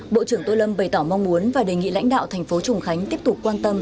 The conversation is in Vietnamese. bộ trưởng tô lâm bày tỏ mong muốn và đề nghị lãnh đạo thành phố trùng khánh tiếp tục quan tâm